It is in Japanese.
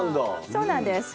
そうなんです。